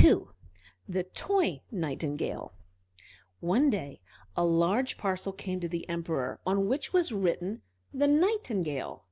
II THE TOY NIGHTINGALE One day a large parcel came to the Emperor, on which was written "The Nightingale."